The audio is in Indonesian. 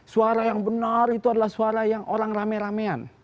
suara yang benar itu adalah suara yang orang rame ramean